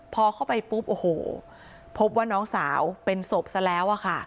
พอเข้าไปปุ๊บโอ้โหพบว่าน้องสาวเป็นศพซะแล้วอะค่ะ